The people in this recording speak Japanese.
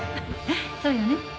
そうよね？